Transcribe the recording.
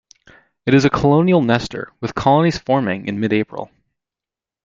It is a colonial nester, with colonies forming in mid-April.